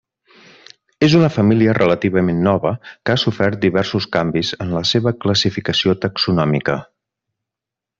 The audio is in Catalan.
És una família relativament nova que ha sofert diversos canvis en la seva classificació taxonòmica.